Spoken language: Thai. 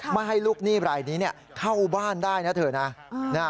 ไม่ให้ลูกหนี้รายนี้เข้าบ้านได้นะเธอนะ